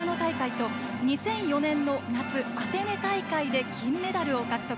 １９９８年、冬の長野大会と２００４年の夏、アテネ大会で金メダルを獲得。